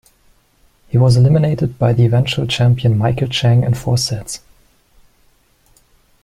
He was eliminated by the eventual champion Michael Chang in four sets.